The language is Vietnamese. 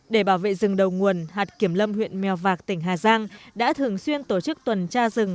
để bảo vệ rừng đầu nguồn hạt kiểm lâm huyện mèo vạc tỉnh hà giang đã thường xuyên tổ chức tuần tra rừng